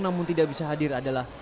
namun tidak bisa hadir adalah